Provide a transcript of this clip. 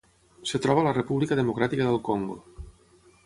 Es troba a la República Democràtica del Congo.